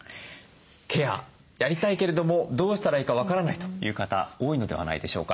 ケアやりたいけれどもどうしたらいいか分からないという方多いのではないでしょうか。